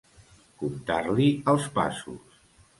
Comptar-li els passos.